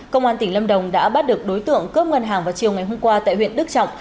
công an tỉnh lâm đồng đã bắt được đối tượng cướp ngân hàng vào chiều ngày hôm qua tại huyện đức trọng